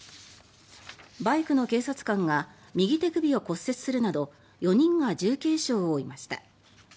バイクの警察官が右手首を骨折するなど４人が重軽傷を負いました。